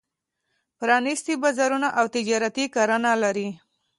پرانېستي بازارونه او تجارتي کرنه لري.